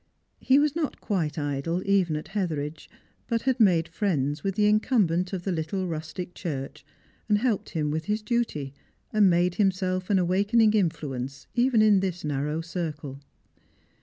He was not quite idle even at Hetheridge, but had made friends with the incumbent of the little rustic church and helped him with his duty, and made himself an awakening influence even in this narrow circle.